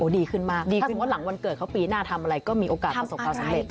ดีขึ้นมากดีขึ้นว่าหลังวันเกิดเขาปีหน้าทำอะไรก็มีโอกาสประสบความสำเร็จ